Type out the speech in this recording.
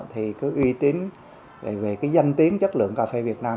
thì cái uy tín về cái danh tiếng chất lượng cà phê việt nam